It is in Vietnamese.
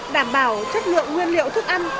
đảm bảo chất lượng nguyên liệu thức ăn